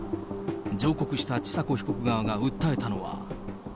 上告した千佐子被告側が訴えたのは。